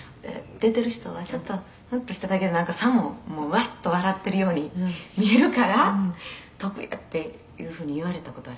「出てる人はちょっとフッとしただけでなんかさもワッと笑ってるように見えるから得やっていう風に言われた事あります」